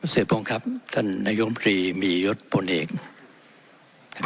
สวัสดีครับท่านนายมพรีมียศพลเอกครับ